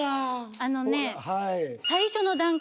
あのね。